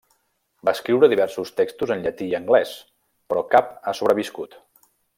Va escriure diversos textos en llatí i anglès, però cap ha sobreviscut.